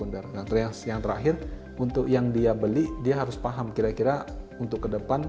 terus yang terakhir untuk yang dia beli dia harus paham kira kira untuk ke depan